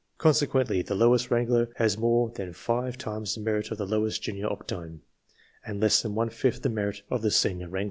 Con sequently, the lowest wrangler has more than five times the merit of the lowest junior optime, and less than one fifth the merit of the senior wrangler.